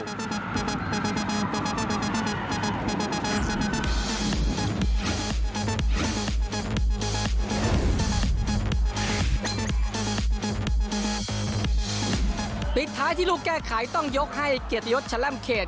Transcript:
จากกบรีวัตรนี้แก้เหาะยากจะบอกต้องยกให้เกดยศชัลล่ำเขจ